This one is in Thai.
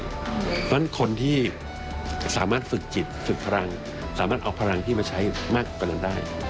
เพราะฉะนั้นคนที่สามารถฝึกจิตฝึกพลังสามารถเอาพลังที่มาใช้มากกว่านั้นได้